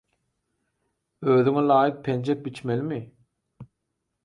Özüňe laýyk penjek biçmelimi?“